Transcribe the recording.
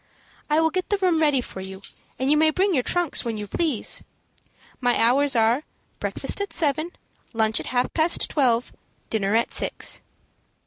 I will get the room ready for you, and you may bring your trunks when you please. My hours are, breakfast at seven, lunch at half past twelve, and dinner at six."